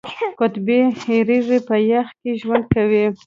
قطبي هیږه په یخ کې ژوند کوي